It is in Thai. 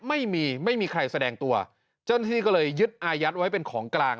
ไม่มีไม่มีใครแสดงตัวเจ้าหน้าที่ก็เลยยึดอายัดไว้เป็นของกลาง